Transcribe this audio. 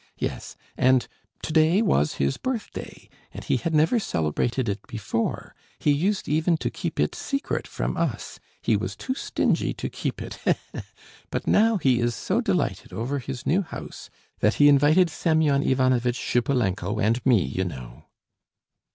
Yes.... And to day was his birthday and he had never celebrated it before, he used even to keep it secret from us, he was too stingy to keep it, he he. But now he is so delighted over his new house, that he invited Semyon Ivanovitch Shipulenko and me, you know."